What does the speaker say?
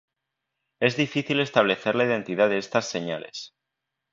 Es difícil establecer la identidad de estas señales.